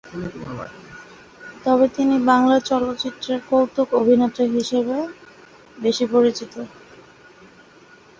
তবে তিনি বাংলা চলচ্চিত্রের কৌতুক-অভিনেতা হিসাবে বেশি পরিচিত।